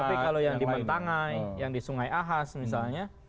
tapi kalau yang di mentangai yang di sungai ahas misalnya